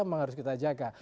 memang harus kita jaga